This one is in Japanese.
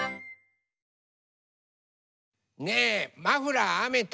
ねえマフラーあめた？